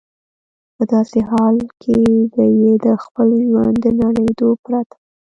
په داسې حال کې به یې د خپل ژوند د نړېدو پرته.